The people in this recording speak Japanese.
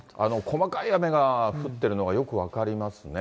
細かい雨が降ってるのがよく分かりますね。